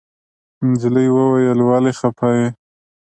نجلۍ وويل ولې خپه يې.